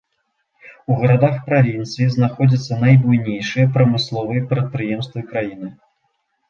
У гарадах правінцыі знаходзяцца найбуйнейшыя прамысловыя прадпрыемствы краіны.